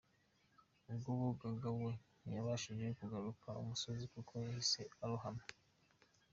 Ubwo bogaga we ntiyabashije kugaruka imusozi kuko yahise arohama.